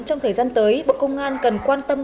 trong thời gian tới bộ công an cần quan tâm